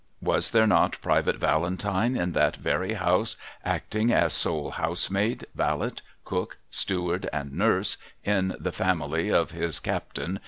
Was there not Private Valentine in that very house, acting as sole housemaid, valet, cook, steward, and nurse, in the family of his captain.